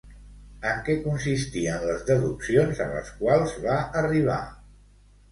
En què consistien les deduccions a les quals va arribar?